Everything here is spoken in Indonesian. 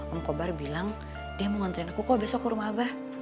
om kobar bilang dia mengontrin aku kok besok ke rumah abah